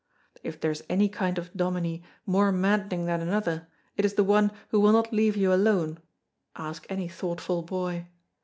If there is any kind of dominie more maddening than another, it is the one who will not leave you alone (ask any thoughtful boy).